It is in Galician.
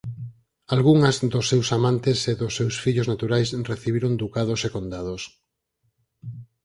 Algunhas dos seus amantes e dos seus fillos naturais recibiron ducados e condados.